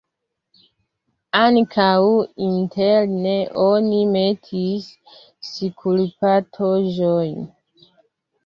Ankaŭ interne oni metis skulptaĵojn.